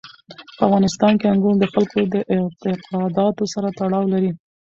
په افغانستان کې انګور د خلکو د اعتقاداتو سره تړاو لري.